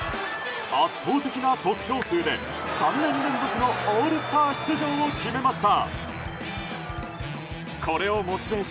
圧倒的な得票数で、３年連続のオールスター出場を決めました。